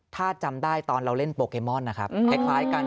ถ้าจำได้ตอนเราเล่นโปเกมอนนะครับคล้ายกัน